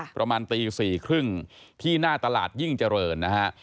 ประมาณตี๔๓๐ที่หน้าตลาดยิ่งเจริญนะฮะ